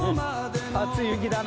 初雪だな。